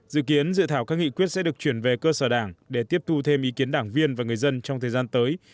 dự kiến dự thảo các nghị quyết sẽ được chuyển về cơ sở đảng để tiếp thu thêm ý kiến đảng viên và người dân trong thời gian tới